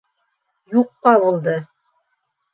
Юҡҡа булды.